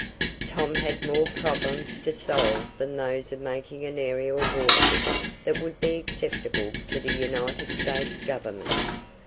Tom had more problems to solve than those of making an aerial warship that would be acceptable to the United States Government.